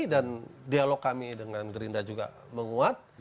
dan dialog kami dengan gerindra juga menguat